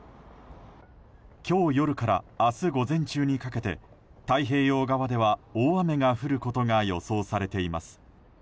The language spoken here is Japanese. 今日夜から明日午前中にかけて太平洋側では大雨が降ることが予想されています。